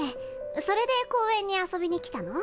それで公園に遊びに来たの？